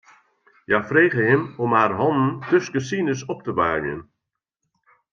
Hja frege him om har hannen tusken sines op te waarmjen.